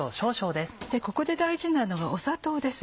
ここで大事なのが砂糖です。